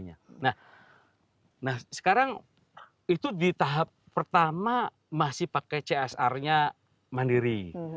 nah sekarang itu di tahap pertama masih pakai csr nya mandiri